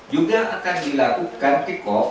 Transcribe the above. juga akan dilakukan kick off